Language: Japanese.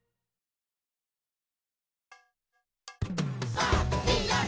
あっ！